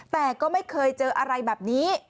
แต่ก็ไม่เคยเจออะไรแบบนี้